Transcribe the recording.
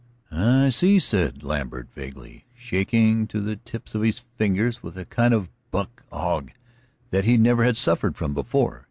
"I see," said Lambert, vaguely, shaking to the tips of his fingers with a kind of buck ague that he never had suffered from before.